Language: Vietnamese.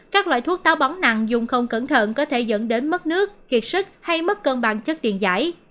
các loại thuốc táo bóng nặng dùng không cẩn thận có thể dẫn đến mất nước kiệt sức hay mất cân bằng chất điện giải